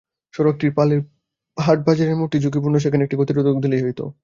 সড়কটির পালের হাট বাজারের মোড়টি ঝুঁকিপূর্ণ, সেখানে একটি গতিরোধক দিলেই হতো।